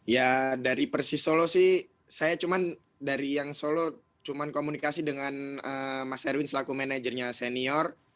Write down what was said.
ya dari persis solo sih saya cuma dari yang solo cuma komunikasi dengan mas erwin selaku manajernya senior